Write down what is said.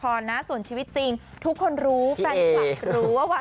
พี่แอนทองผสมเจ้าหญิงแห่งโมงการบันเทิงไทยวัยที่สุดค่ะ